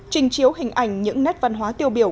trình chiếu hình ảnh những nét văn hóa tiêu biểu